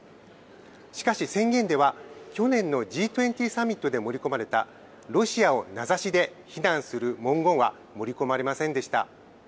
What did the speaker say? しかし、宣言では、去年のＧ２０サミットで盛り込まれたロシアを名指しで非難する文言は盛り込まれませんでした。